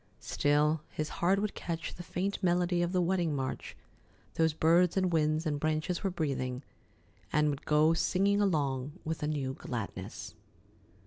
Still his heart would catch the faint melody of the wedding march those birds and winds and branches were breathing, and would go singing along with a new gladness.